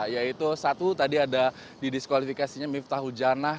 yaitu satu tadi ada di diskualifikasinya miftah hujanah